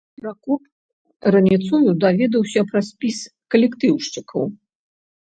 Пракоп раніцою даведаўся пра спіс калектыўшчыкаў.